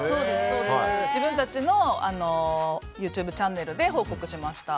自分たちのＹｏｕＴｕｂｅチャンネルで報告しました。